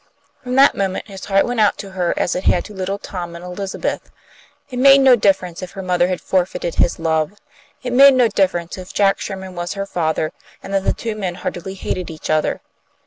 From that moment his heart went out to her as it had to little Tom and Elizabeth. It made no difference if her mother had forfeited his love. It made no difference if Jack Sherman was her father, and that the two men heartily hated each other.